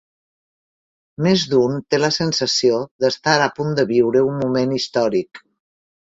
Més d'un té la sensació d'estar a punt de viure un moment històric.